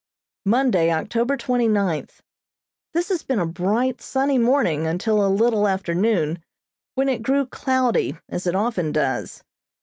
Monday, October twenty ninth: This has been a bright, sunny morning until a little after noon, when it grew cloudy, as it often does.